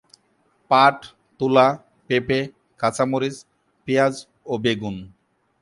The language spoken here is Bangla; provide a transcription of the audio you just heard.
পাট, তুলা, পেঁপে, কাঁচা মরিচ, পেঁয়াজ ও বেগুন।